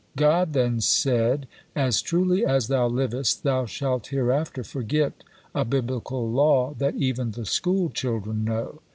God then said, "As truly as thou livest, thou shalt hereafter forget a Biblical law that even the school children know."